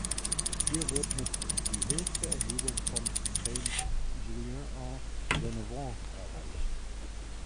Hier wird mit die höchste Erhebung von Saint-Julien-en-Genevois erreicht.